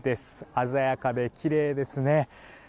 鮮やかで、きれいですね。